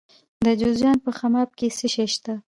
د جوزجان په خماب کې څه شی شته؟